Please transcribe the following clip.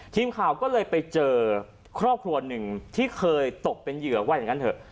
ทีมข่าวก็เลยไปเจอครอบครัวหนึ่งที่เคยตกเป็นเหยื่อว่าอย่างนั้นเถอะ